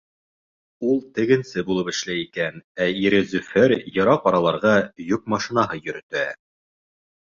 Ул тегенсе булып эшләй икән, ә ире Зөфәр йыраҡ араларға йөк машинаһы йөрөтә.